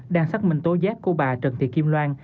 đang xác minh tối giác cô bà trần thị kim loan